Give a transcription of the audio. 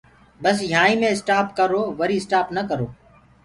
بس يهآنٚ ئي مينٚ اِسٽآپ ڪرو وري اِسٽآپ نآ ڪرو۔